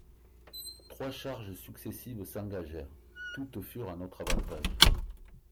Trois charges successives s'engagèrent : toutes furent à notre avantage.